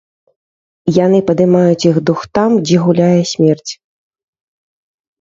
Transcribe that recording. Яны падымаюць іх дух там, дзе гуляе смерць.